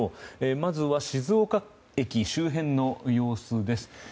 まずは静岡駅周辺の様子です。